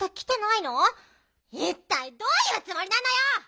いったいどういうつもりなのよ！